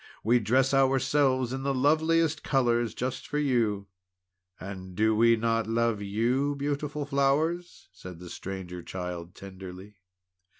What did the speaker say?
We dress ourselves in the loveliest colours just for you!" "And do we not love you, you beautiful flowers!" said the Stranger Child tenderly.